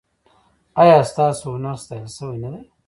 ایا ستاسو هنر ستایل شوی نه دی؟